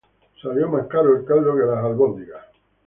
Salió más caro el caldo que las albóndigas